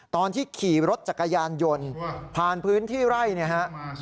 ตอนที่ขี่รถจักรยานยนต์ผ่านพื้นที่ไร่เนี่ยฮะ